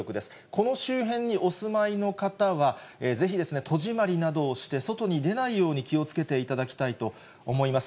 この周辺にお住いの方は、ぜひ戸締まりなどをして、外に出ないように気をつけていただきたいと思います。